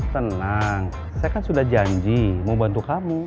tenang saya kan sudah janji mau bantu kamu